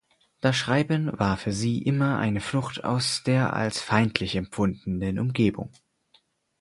Das Schreiben war für sie immer eine Flucht aus der als feindlich empfundenen Umgebung.